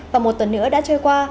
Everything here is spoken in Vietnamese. và một tuần nữa đã trôi qua